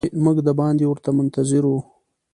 موږ د باندې ورته منتظر وو.